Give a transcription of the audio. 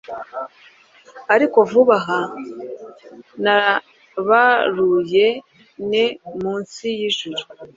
Ariko vuba aha nabaruye neer munsi yijuru